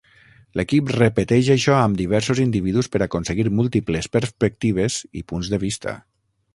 L'equip repeteix això amb diversos individus per aconseguir múltiples perspectives i punts de vista.